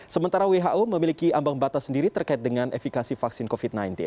sementara who memiliki ambang batas sendiri terkait dengan efikasi vaksin covid sembilan belas